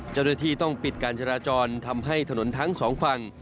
เจ้าหน้าที่ต้องปิดการจราจรทำให้ถนนทั้งสองฝั่ง